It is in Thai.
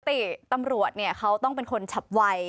ปกติตำรวจเขาต้องเป็นคนฉับไว